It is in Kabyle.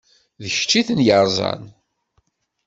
D kečč i ten-yeṛẓan.